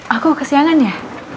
aku mau ke siangan ya